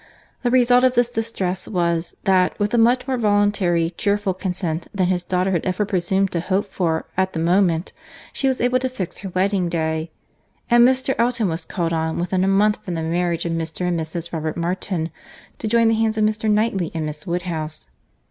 The result of this distress was, that, with a much more voluntary, cheerful consent than his daughter had ever presumed to hope for at the moment, she was able to fix her wedding day—and Mr. Elton was called on, within a month from the marriage of Mr. and Mrs. Robert Martin, to join the hands of Mr. Knightley and Miss Woodhouse.